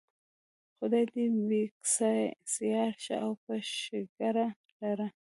خدای دې بېکسیار ښه او په ښېګړه لري.